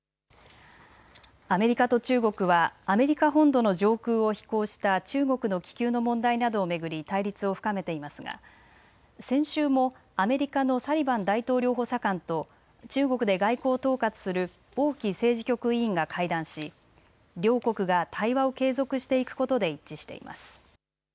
アメリカと中国はアメリカ本土の上空を飛行した中国の気球の問題などを巡り対立を深めていますが先週もアメリカのサリバン大統領補佐官と中国で外交を統括する王毅政治局委員が会談し両国が対話を継続していくことで一致しています。